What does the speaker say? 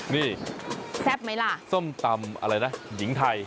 นี่แซ่บไหมล่ะส้มตำอะไรนะหญิงไทย